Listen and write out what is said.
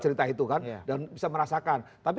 cerita itu kan dan bisa merasakan tapi